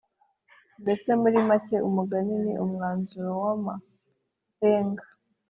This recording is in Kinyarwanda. Mbese muri make umugani ni umwanzuro w’amarenga